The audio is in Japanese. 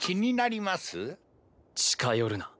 近寄るな。